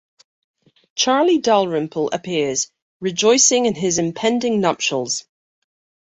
Charlie Dalrymple appears, rejoicing in his impending nuptials.